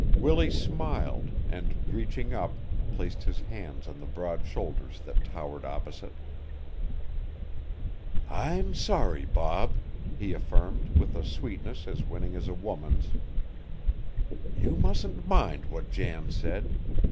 Willie smiled and, reaching up, placed his hands on the broad shoulders that towered opposite. "I'm sorry, Bob," he affirmed with a sweetness as winning as a woman's. "You mustn't mind what Jan said.